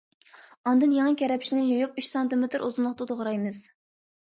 ئاندىن يېڭى كەرەپشىنى يۇيۇپ ئۈچ سانتىمېتىر ئۇزۇنلۇقتا توغرايمىز.